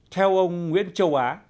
theo ông nguyễn châu á